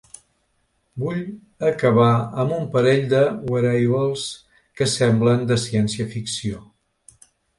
Vull acabar amb un parell de ‘wereables’ que semblen de ciència-ficció.